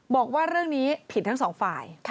บอกว่าเรื่องนี้ผิดทั้งสองฝ่าย